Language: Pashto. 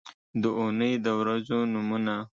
د اونۍ د ورځو نومونه